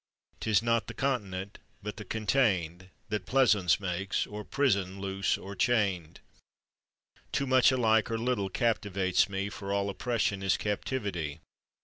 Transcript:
'Tis not the continent, but the contained, That pleasaunce makes or prison, loose or chained. Too much alike or little captives me, For all oppression is captivity.